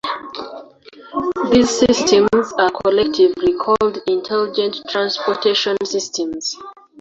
These systems are collectively called intelligent transportation systems.